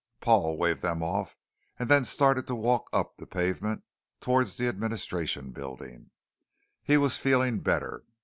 Paul waved them off and then started to walk up the pavement towards the administration building. He was feeling better.